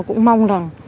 cũng mong rằng